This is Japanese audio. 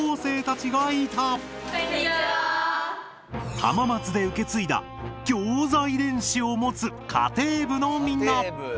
浜松で受け継いだギョーザ遺伝子を持つ家庭部のみんな！